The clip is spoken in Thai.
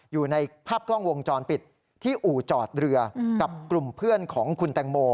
อยู่ในภาพกล้องวงจรปิดที่อู่จอดเรือกับกลุ่มเพื่อนของคุณแตงโม